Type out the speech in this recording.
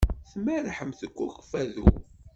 Tmerrḥemt deg Ukfadu?